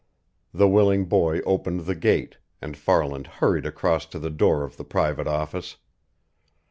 The willing boy opened the gate, and Farland hurried across to the door of the private office.